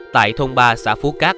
tại thôn ba xã phú cát